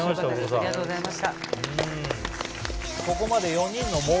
ありがとうございます。